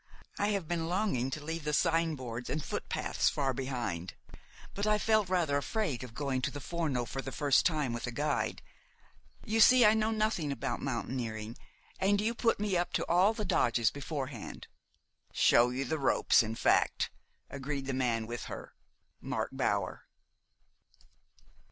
"I have been longing to leave the sign boards and footpaths far behind, but I felt rather afraid of going to the Forno for the first time with a guide. You see, I know nothing about mountaineering, and you can put me up to all the dodges beforehand." "Show you the ropes, in fact," agreed the man with her, Mark Bower.